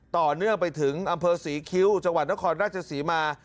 ต่อเนื่องไปถึงอำเภอศรีคิ้วจังหวัดนครราชศรีมา